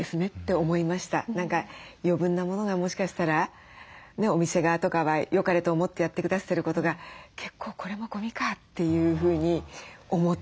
何か余分なものがもしかしたらねお店側とかはよかれと思ってやってくださってることが結構これもゴミかというふうに思ってしまいました。